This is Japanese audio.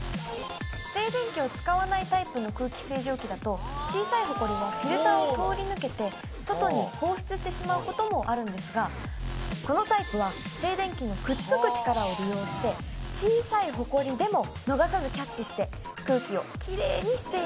静電気を使わないタイプの空気清浄機だと小さいホコリがフィルターを通り抜けて外に放出してしまうこともあるんですがこのタイプは静電気のくっつく力を利用して小さいホコリでも逃さずキャッチして空気をキレイにしていました。